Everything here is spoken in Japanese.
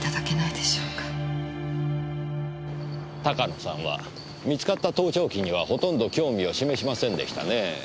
鷹野さんは見つかった盗聴器にはほとんど興味を示しませんでしたねぇ。